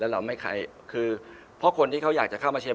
เพราะคนที่เขาอยากจะเข้ามาเชียร์